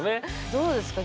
どうですか？